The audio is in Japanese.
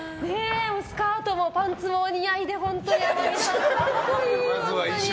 スカートもパンツもお似合いで本当に、天海さん、格好いい。